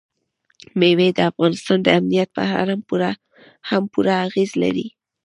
مېوې د افغانستان د امنیت په اړه هم پوره اغېز لري.